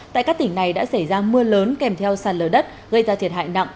tại các tỉnh này đã xảy ra mưa lớn kèm theo sàn lờ đất gây ra thiệt hại nặng